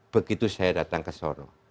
begitu saya datang ke sana